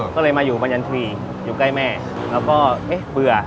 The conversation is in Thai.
ก็เลยมาอยู่บรรยันทรีย์อยู่ใกล้แม่แล้วก็เอ๊ะเบื่อ